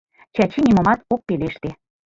Чачи нимомат ок пелеште...